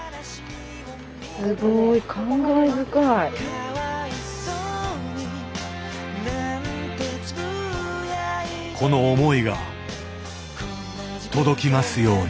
すごいこの思いが届きますように。